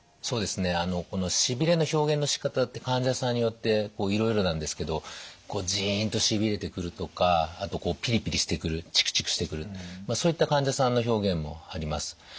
そうですねこのしびれの表現のしかたって患者さんによっていろいろなんですけどジンとしびれてくるとかあとこうピリピリしてくるチクチクしてくるそういった患者さんの表現もあります。